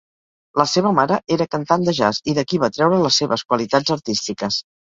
La seva mare era cantant de jazz i d'aquí va treure les seves qualitats artístiques.